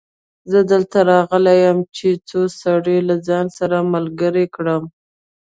زه دلته راغلی يم چې څو سړي له ځانه سره ملګري کړم.